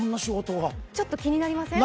ちょっと気になりません？